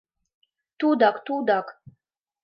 Тудак, тудак!